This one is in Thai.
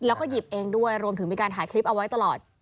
แล้วก็หยิบเองด้วยรวมถึงมีการถ่ายคลิปเอาไว้ตลอด